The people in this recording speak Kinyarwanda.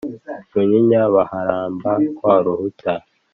Munyinya baharamba wa Ruhuta,